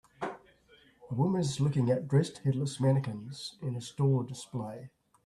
A woman is looking at dressed, headless mannequins in a store display.